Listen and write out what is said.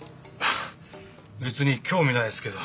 別に興味ないですけど。